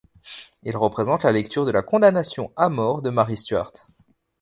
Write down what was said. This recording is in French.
Il représente la lecture de la condamnation à mort de Marie Stuart.